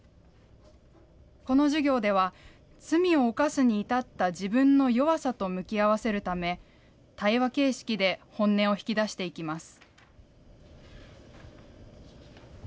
この授業では、罪を犯すにいたった自分の弱さと向き合わせるため、対話形式で本音を引き出していきます。